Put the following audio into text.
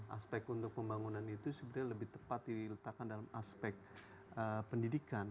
aspek untuk pembangunan itu sebenarnya lebih tepat diletakkan dalam aspek pendidikan